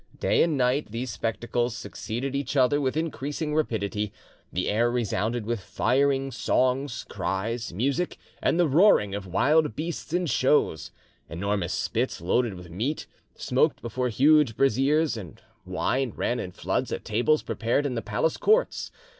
Day and night these spectacles succeeded each other with increasing rapidity, the air resounded with firing, songs, cries, music, and the roaring of wild beasts in shows. Enormous spits, loaded with meat, smoked before huge braziers, and wine ran in floods at tables prepared in the palace courts.